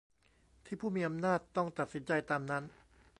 ที่ผู้มีอำนาจต้องตัดสินใจตามนั้น